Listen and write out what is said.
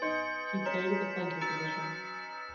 He played at the flanker position.